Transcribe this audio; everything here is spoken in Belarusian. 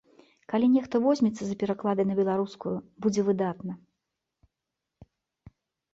Калі нехта возьмецца за пераклады на беларускую, будзе выдатна.